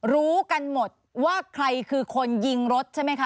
รู้กันหมดว่าใครคือคนยิงรถใช่ไหมคะ